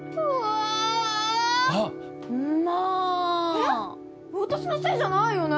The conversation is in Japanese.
えっ私のせいじゃないよね？